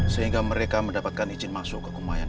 sehingga mereka mendapatkan izin masuk ke kumayan